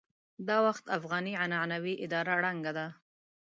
دا وخت افغاني عنعنوي اداره ړنګه ده.